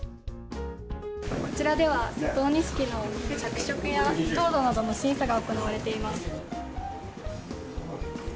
こちらは佐藤錦の着色度や糖度などの審査が行われています。